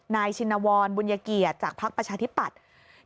นายชินวรบุญเกียจจากพักประชาธิปัตย์